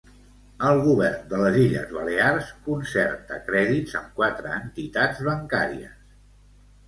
El govern de les Illes Balears concerta crèdits amb quatre entitats bancàries.